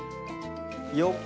よっ。